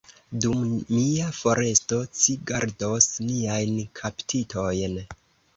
Dum mia foresto, ci gardos niajn kaptitojn.